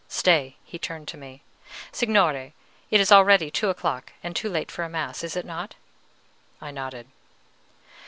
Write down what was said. "Stay!" He turned to me: "Signore, it is already two o'clock and too late for mass, is it not?" I nodded.